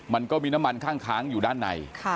มันก็มีน้ำมันข้างอยู่ด้านใน